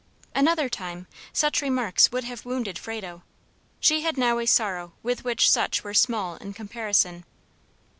Another time, such remarks would have wounded Frado. She had now a sorrow with which such were small in comparison.